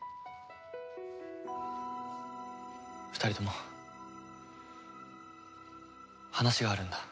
２人とも話があるんだ。